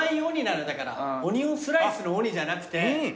オニオンスライスのオニじゃなくて。